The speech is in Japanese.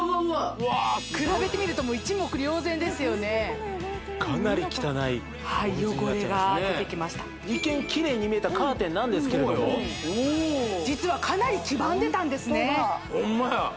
うわ比べてみると一目瞭然ですよねかなり汚い水になっちゃいました汚れが出てきました一見キレイに見えたカーテンなんですけれども実はかなり黄ばんでたんですね